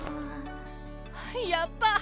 やった！